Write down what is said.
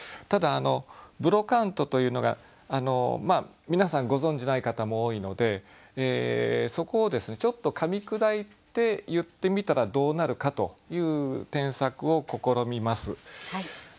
ただブロカントというのが皆さんご存じない方も多いのでそこをですねちょっとかみ砕いて言ってみたらどうなるかという添削を試みます。